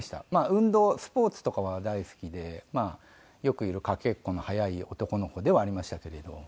運動スポーツとかは大好きでよくいる駆けっこの速い男の子ではありましたけれど。